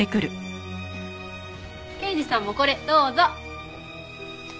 刑事さんもこれどうぞ。